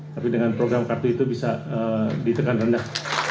tapi dengan program kartu itu bisa ditekan rendah